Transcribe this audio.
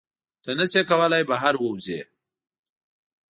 ته نشې کولی بهر ووځې.